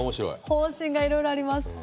方針がいろいろあります。